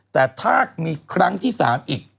แต่ถ้ามีครั้งที่๓อีก